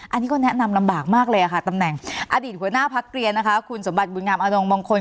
อันนี้ก็แนะนำลำบากมากเลยค่ะตำแหน่งอดีตหัวหน้าพักเรียนนะคะคุณสมบัติบุญงามอนงมงคล